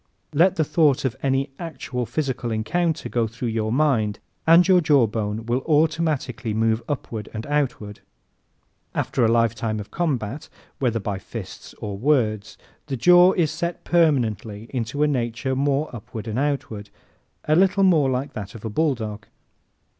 Let the thought of any actual physical encounter go through your mind and your jaw bone will automatically move upward and outward. After a lifetime of combat, whether by fists or words, the jaw sets permanently a little more upward and outward a little more like that of the bulldog.